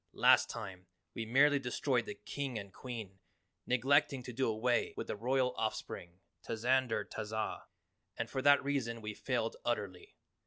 Last time, we merely destroyed the King and Queen, neglecting to do away with the Royal Off spring, Tazander Tazah, and for that reason we failed utterly.